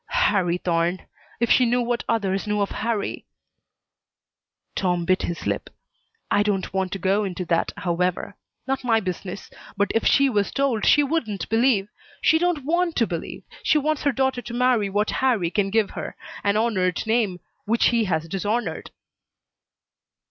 "Harrie Thorne. If she knew what others knew of Harrie " Tom bit his lip. "I don't want to go into that, however. Not my business. But if she was told she wouldn't believe. She don't want to believe. She wants her daughter to marry what Harrie can give her. An honored name which he has dishonored."